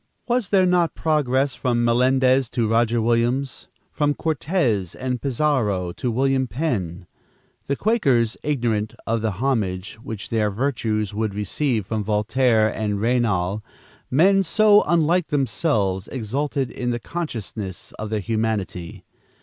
"Was there not progress from Melendez to Roger Williams? from Cortez and Pizarro to William Penn? The Quakers, ignorant of the homage which their virtues would receive from Voltaire and Raynal, men so unlike themselves, exulted in the consciousness of their humanity.